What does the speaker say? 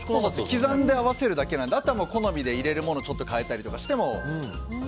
刻んで合わせるだけなのであとは好みで入れるものをちょっと変えたりとかしても。